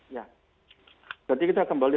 ya jadi kita kembali